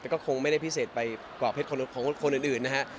ก็คงไม่ได้พิเศษไปกว่าเพชรของคนอื่นนะฮะ